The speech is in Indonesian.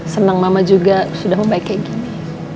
senang mama juga sudah membaik kayak gini